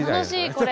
これ。